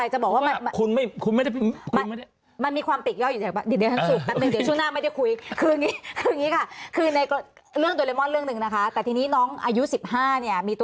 จอกคุณไม่ได้มั้ยมันมีความติดย่ออยู่ในความเนี้ย